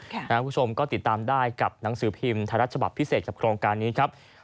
คุณผู้ชมก็ติดตามได้กับหนังสือพิมพ์ไทยรัฐฉบับพิเศษกับโครงการนี้ครับ